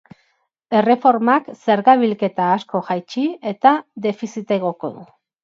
Erreformak zerga bilketa asko jaitsi eta defizita igoko du.